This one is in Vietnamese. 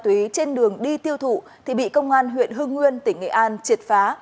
tuyến trên đường đi tiêu thụ thì bị công an huyện hương nguyên tỉnh nghệ an triệt phá